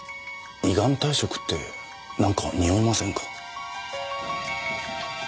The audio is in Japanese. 依願退職ってなんかにおいませんか？